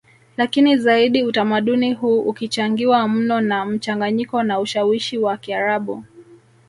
Lakini zaidi utamaduni huu ukichangiwa mno na mchanganyiko na ushawishi wa Kiarabu